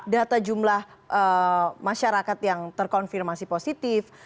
data jumlah masyarakat yang terkonfirmasi positif